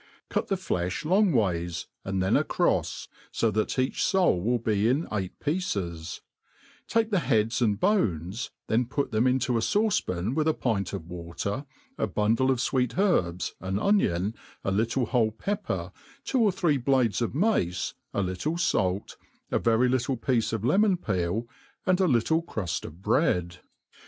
Cut the ftelb long ways, and then acro&, fo tbat each foal will be in eight pieces : take the heads snd bones, then pot them into a fauce pan with a pint of water, a bundle of fweet herbs, an onion, a Tittle whole pepper, two or three blades of mace, a little fait, a very little piece of lemon peel, i^nd a Uttle cruft of bread.